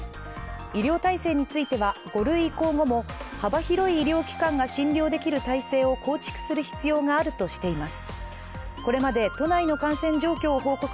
医療体制については、５類移行後も幅広い医療機関が診療できる体制を構築する必要があるとしています。